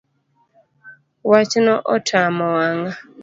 Wachno otamo wang’a